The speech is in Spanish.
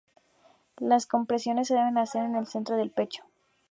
Las compresiones se deben hacer en el centro del pecho.